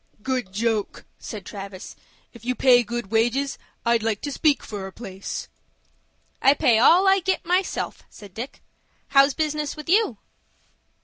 "Good joke!" said Travis. "If you pay good wages, I'd like to speak for a place." "I pay all I get myself," said Dick. "How's business with you?"